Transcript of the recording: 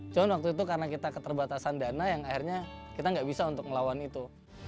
cuma waktu itu karena kita keterbatasan dana yang akhirnya kita nggak bisa untuk ngelawan itu